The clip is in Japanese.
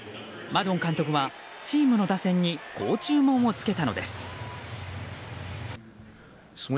マドン監督はチームの打線にこう注文をつけたのです。